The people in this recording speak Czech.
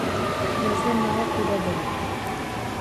Je zde mnoho chudoby.